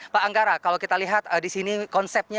pak anggara kalau kita lihat di sini konsepnya